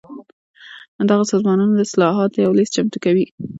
دغه سازمانونه د اصلاحاتو یو لېست چمتو کوي.